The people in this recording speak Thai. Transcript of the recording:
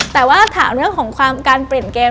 แต่ว่าถามเรื่องของความการเปลี่ยนเกม